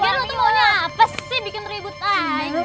emang lo tuh mau nyapes sih bikin ribut aja